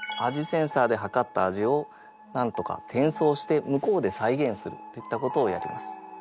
センサーではかった味をなんとか転送して向こうで再現するっていったことをやります。